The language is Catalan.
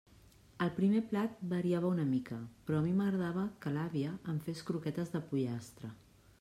El primer plat variava una mica, però a mi m'agradava que l'àvia em fes croquetes de pollastre.